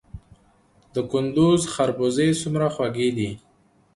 د کندز خربوزې څومره خوږې دي؟